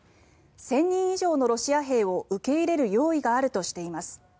１０００人以上のロシア兵を受け入れる用意があるとしています。